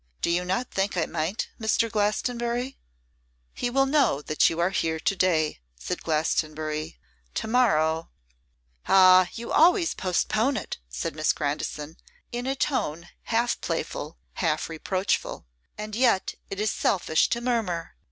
Do not you think I might, Mr. Glastonbury?' 'He will know that you are here to day,' said Glastonbury. 'To morrow ' 'Ah! you always postpone it,' said Miss Grandison, in a tone half playful, half reproachful; 'and yet it is selfish to murmur.